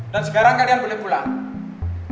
dan sekarang kalian boleh pulang